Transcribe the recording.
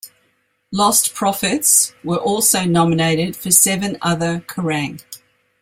Lostprophets were also nominated for seven other Kerrang!